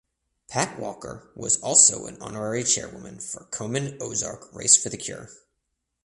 Pat Walker was also an honorary chairwoman for Komen Ozark Race for the Cure.